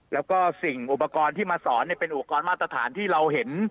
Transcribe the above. แล้วก็สิ่งอุปกรณ์ที่มาสอนเป็นอุปกรณ์มาตรฐานที่เราเห็น